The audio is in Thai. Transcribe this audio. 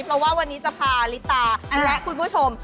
เพราะว่าวันนี้จะพาลิตาและคุณผู้ชม